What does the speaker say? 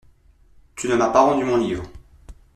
Tu ne m'as pas rendu mon livre.